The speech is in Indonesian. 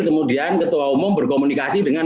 kemudian ketua umum berkomunikasi dengan